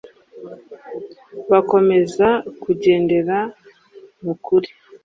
bakomeza kugendera mu kuri